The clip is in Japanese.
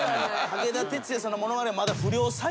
武田鉄矢さんのものまねまだ。